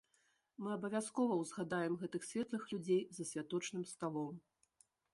Мы абавязкова ўзгадаем гэтых светлых людзей за святочным сталом.